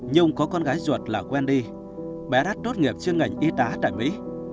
nhung có con gái ruột là wendy bé đắt đốt nghiệp chuyên ngành y tá tại mỹ